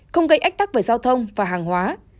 không gây ách tắc về giao thông và hàng hóa